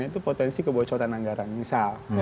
itu potensi kebocoran anggaran misal